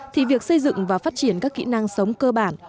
thì việc xây dựng và phát triển các kỹ năng sống cơ bản